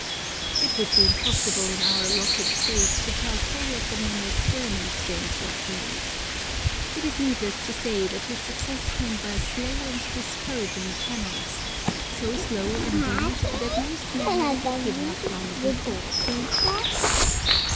It would be impossible in our allotted space to tell fully of the many experiments James Watt made. It is needless to say that his success came by slow and discouraging channels, so slow, indeed, that most men would have given up long before.